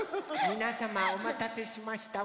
みなさまおまたせしました。